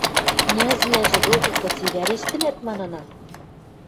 – Князьвлӓжӹ докы кыце вӓрештӹнӓт? – манына.